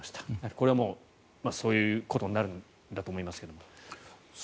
これはそういうことになるんだと思いますけれども。